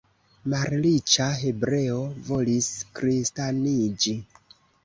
Malriĉa hebreo volis kristaniĝi.